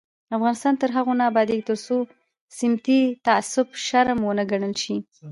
افغانستان تر هغو نه ابادیږي، ترڅو سمتي تعصب شرم ونه ګڼل شي.